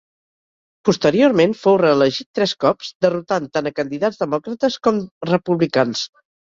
Posteriorment, fou reelegit tres cops, derrotant tant a candidats demòcrates com republicans.